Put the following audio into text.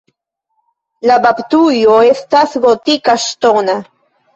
La baptujo estas gotika ŝtona.